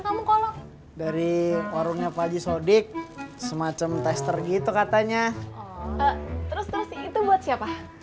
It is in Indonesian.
kamu kalau dari warungnya pak haji sodik semacam tester gitu katanya terus terus itu buat siapa